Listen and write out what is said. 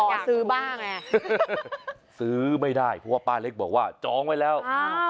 จะซื้อบ้างไงซื้อไม่ได้เพราะว่าป้าเล็กบอกว่าจองไว้แล้ว